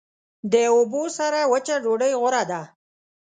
د اوبو سره وچه ډوډۍ غوره ده.